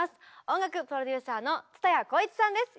音楽プロデューサーの蔦谷好位置さんです。